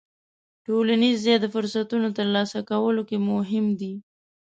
ټولنیز ځای د فرصتونو ترلاسه کولو کې مهم دی.